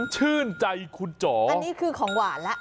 ชื่นใจคุณจ๋ออันนี้คือของหวานแล้ว